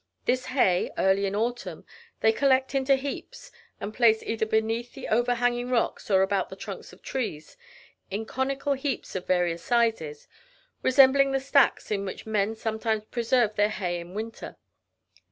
This hay, early in autumn, they collect into heaps, and place either beneath the overhanging rocks, or around the trunks of trees, in conical heaps of various sizes, resembling the stacks in which men sometimes preserve their hay in winter.